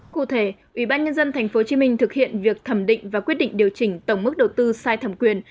cụ thể ủy ban nhân dân tp hcm thực hiện việc thẩm định và quyết định điều chỉnh tổng mức đầu tư sai thẩm quyền